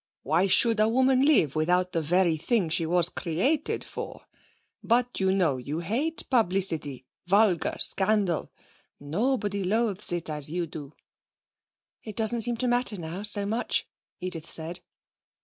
Why should a woman live without the very thing she was created for? But you know you hate publicity vulgar scandal. Nobody loathes it as you do.' 'It doesn't seem to matter now so much,' Edith said.